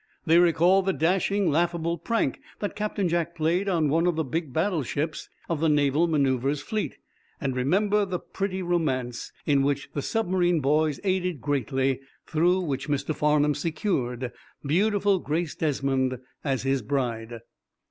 They recall the dashing, laughable prank that Captain Jack played on one of the big battleships of the Naval maneuvers fleet, and remember the pretty romance, in which the submarine boys aided greatly, through which Mr. Farnum secured beautiful Grace Desmond as his bride.